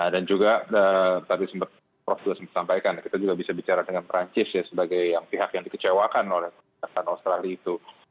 dan juga tadi sempat prof juga sampaikan kita juga bisa bicara dengan perancis ya sebagai yang pihak yang dikecewakan oleh perusahaan australia itu